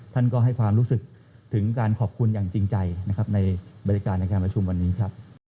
ท่านก็ให้ความรู้สึกถึงการขอบคุณอย่างจริงใจนะครับในบริการในการประชุมวันนี้ครับ